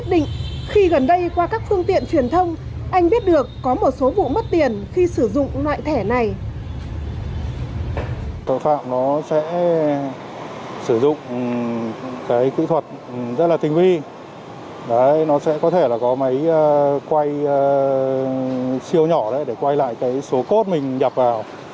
chính vì vậy các chuyên gia khuyến cáo